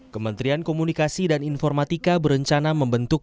kementerian komunikasi dan informatika berencana membentuk